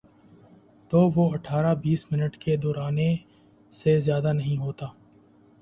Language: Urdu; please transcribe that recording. تو وہ اٹھارہ بیس منٹ کے دورانیے سے زیادہ نہیں ہوتا۔